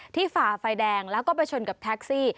ฝ่าไฟแดงแล้วก็ไปชนกับแท็กซี่